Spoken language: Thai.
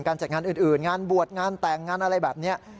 จัดงานอื่นงานบวชงานแต่งงานอะไรแบบนี้